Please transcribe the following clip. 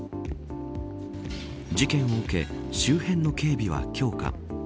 事件を受け、周辺の警備は強化。